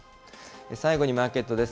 最後にマーケットです。